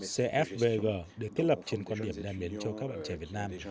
dfvg được thiết lập trên quan điểm đàn biến cho các bạn trẻ việt nam